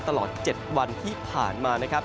ตลอด๗วันที่ผ่านมานะครับ